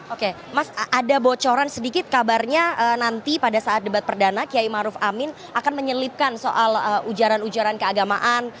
oke mas ada bocoran sedikit kabarnya nanti pada saat debat perdana kiai maruf amin akan menyelipkan soal ujaran ujaran keagamaan